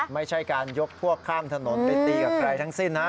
ไม่ใช่การยกพวกข้ามถนนไปตีกับใครทั้งสิ้นนะ